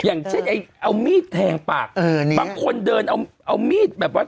อย่างเช่นไอ้เอามีดแทงปากบางคนเดินเอาเอามีดแบบว่า